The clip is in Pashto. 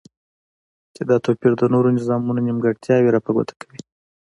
چی دا توپیر د نورو نظامونو نیمګرتیاوی را په ګوته کوی